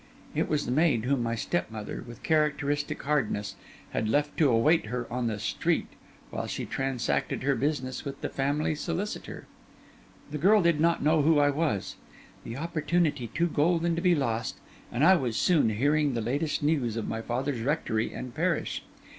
It was the maid whom my stepmother, with characteristic hardness, had left to await her on the street, while she transacted her business with the family solicitor. The girl did not know who I was; the opportunity too golden to be lost; and I was soon hearing the latest news of my father's rectory and parish.